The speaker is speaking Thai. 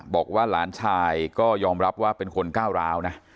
บอกว่าหลานชายก็ยอมรับว่าเป็นคนก้าวร้าวนะ